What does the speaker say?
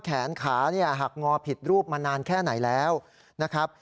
แขนขาเนี่ยหักงอผิดรูปมานานแค่ไหนแล้วนะครับ